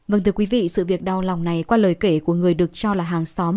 vâng thưa quý vị sự việc đau lòng này qua lời kể của người được cho là hàng xóm